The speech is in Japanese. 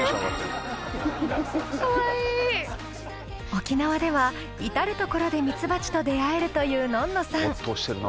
沖縄では至る所でミツバチと出会えるというのんのさん。